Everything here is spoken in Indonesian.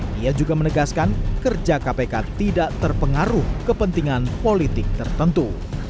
dia juga menegaskan kerja kpk tidak terpengaruh kepentingan politik tertentu